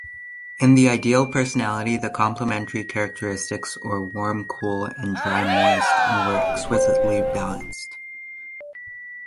In the ideal personality, the complementary characteristics or warm-cool and dry-moist were exquisitely balanced.